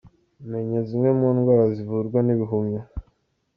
Menya zimwe mu ndwara zivurwa n’ibihumyo